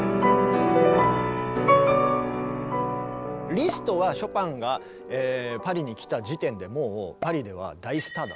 リストはショパンがパリに来た時点でもうパリでは大スターだったんですね。